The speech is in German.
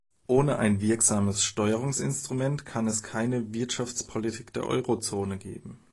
Ohne ein wirksames Steuerungsinstrument kann es keine Wirtschaftspolitik der Eurozone geben.